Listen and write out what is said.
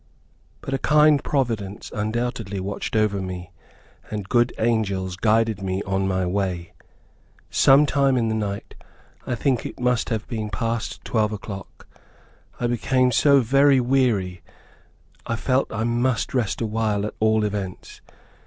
But a kind providence, undoubtedly, watched over me, and good angels guided me on my way. Some time in the night, I think it must have been past twelve o'clock, I became so very weary I felt that I must rest awhile at all events.